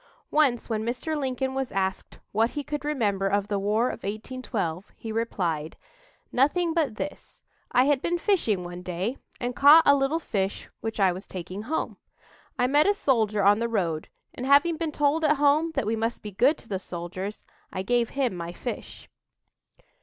Once when Mr. Lincoln was asked what he could remember of the War of 1812, he replied: "Nothing but this: I had been fishing one day and caught a little fish which I was taking home. I met a soldier on the road, and, having been told at home that we must be good to the soldiers, I gave him my fish."